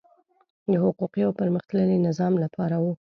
د حقوقي او پرمختللي نظام لپاره وو.